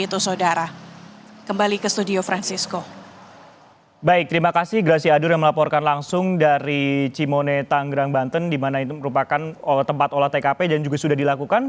terima kasih gracia adur yang melaporkan langsung dari cimone tanggerang banten di mana itu merupakan tempat olah tkp dan juga sudah dilakukan